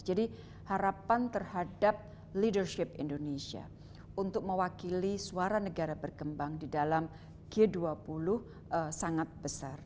harapan terhadap leadership indonesia untuk mewakili suara negara berkembang di dalam g dua puluh sangat besar